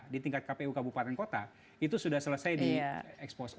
di tingkat kpu kabupaten kota itu sudah selesai di expose